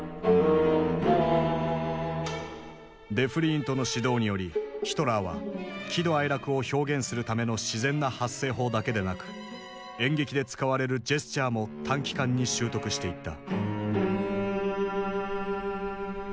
デフリーントの指導によりヒトラーは喜怒哀楽を表現するための自然な発声法だけでなく演劇で使われるジェスチャーも短期間に習得していった。